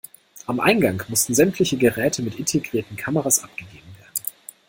Am Eingang mussten sämtliche Geräte mit integrierten Kameras abgegeben werden.